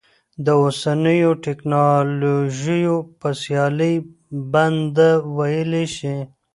د اوسنیو ټکنالوژیو په سیالۍ بنده ویلی شي.